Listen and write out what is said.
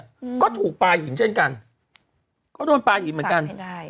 อืมก็ถูกปลาหินเช่นกันก็โดนปลาหินเหมือนกันใช่